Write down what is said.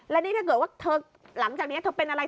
และนี่ถ้าเกิดว่าเธอหลังจากนี้เธอเป็นอะไร